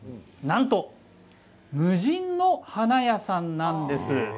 なんと無人の花屋さんなんです。